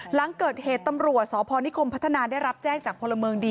หลังเกิดเหตุตำรวจสพนิคมพัฒนาได้รับแจ้งจากพลเมืองดี